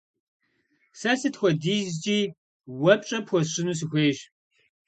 Сэ сыт хуэдизкӀи уэ пщӀэ пхуэсщӀыну сыхуейщ.